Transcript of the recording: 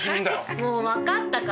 もう分かったから。